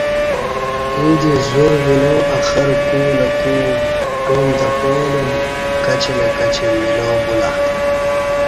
ییں دی زور وینا اخر کو نئ کو گعام تہ پعالُوم، کاچی نئ کاچی ملا بولہ